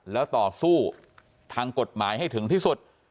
แล้วต่อสู้ทางกฎหมายให้ถึงที่สุด